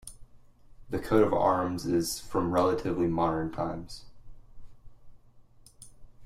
The coat-of-arms is from relatively modern times.